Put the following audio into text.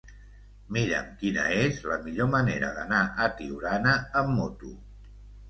Mira'm quina és la millor manera d'anar a Tiurana amb moto.